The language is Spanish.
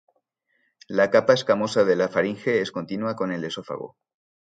La capa escamosa de la faringe es continua con el esófago.